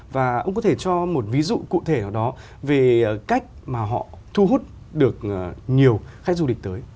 và ông có thể cho một ví dụ cụ thể nào đó về cách mà họ thu hút được nhiều khách du lịch tới